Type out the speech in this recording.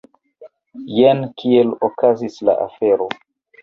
Jen kiel okazis la afero!